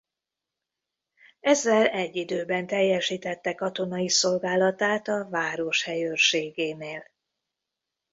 Ezzel egyidőben teljesítette katonai szolgálatát a város helyőrségénél.